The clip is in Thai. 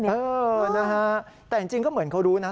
เออนะฮะแต่จริงก็เหมือนเขารู้นะ